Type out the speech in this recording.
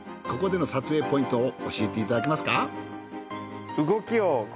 ここでの撮影ポイントを教えていただけますか？